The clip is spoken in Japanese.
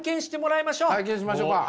体験しましょうか。